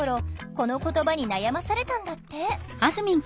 この言葉に悩まされたんだって